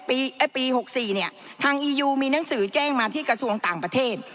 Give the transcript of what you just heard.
ปี๖๔เนี่ยทางอียูมีหนังสือแจ้งมาที่กระทรวงต่างประเทศ